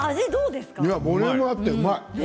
ボリュームがあってうまい。